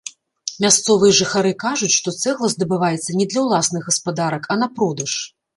Мясцовыя жыхары кажуць, што цэгла здабываецца не для ўласных гаспадарак, а на продаж.